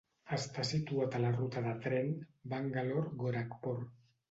Està situat a la ruta de tren Bangalore - Gorakhpur.